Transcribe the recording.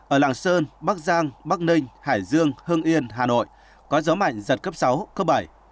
ở lạng sơn bắc giang bắc ninh hải dương hưng yên hà nội có gió mạnh giật cấp sáu cấp bảy